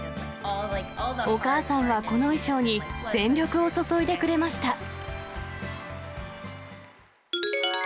お母さんは、この衣装に、全力を注いでくれました。